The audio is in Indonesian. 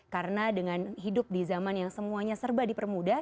karena dengan hidup di zaman yang semuanya serba di permuda